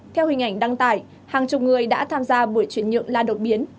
theo hình ảnh đăng tải hàng chục người đã tham gia buổi chuyển nhượng la đột biến